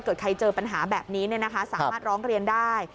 ใครเจอปัญหาแบบนี้สามารถร้องเรียนได้